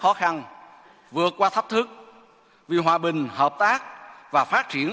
khó khăn vượt qua thách thức vì hòa bình hợp tác và phát triển